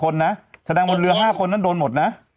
คนนะแสดงบนเรือ๕คนนั้นโดนหมดนะ